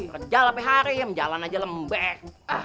kerja lepe hari menjalan aja lembek